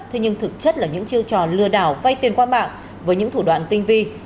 thế nhưng thực chất là những chiêu trò lừa đảo vay tiền qua mạng với những thủ đoạn tinh vi